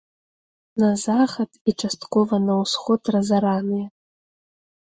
На захад і часткова на ўсход разараныя.